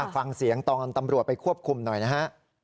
ฟังเสียงตอนตำรวจไปควบคุมหน่อยนะฮะ